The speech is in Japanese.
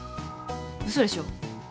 うそでしょ？